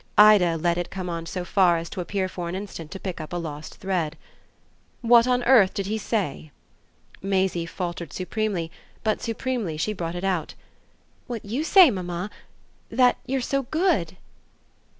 Ida let it come on so far as to appear for an instant to pick up a lost thread. "What on earth did he say?" Maisie faltered supremely, but supremely she brought it out. "What you say, mamma that you're so good."